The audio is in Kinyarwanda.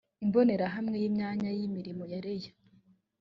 imbonerahamwe y imyanya y imirimo ya rlea